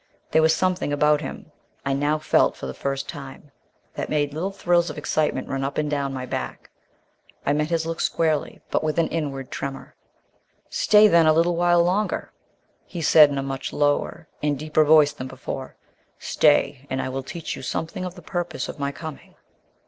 There was something about him I now felt for the first time that made little thrills of excitement run up and down my back. I met his look squarely, but with an inward tremor. "Stay, then, a little while longer," he said in a much lower and deeper voice than before; "stay, and I will teach you something of the purpose of my coming."